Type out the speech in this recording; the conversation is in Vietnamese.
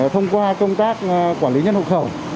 thông qua công tác quản lý nhân hộ khẩu